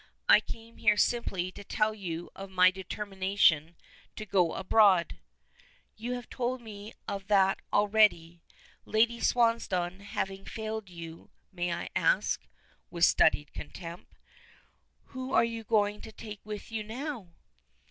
I came here simply to tell you of my determination to go abroad." "You have told me of that already. Lady Swansdown having failed you, may I ask" with studied contempt "who you are going to take with you now?"